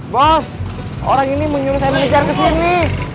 bos orang ini menyuruh saya mengejar kesini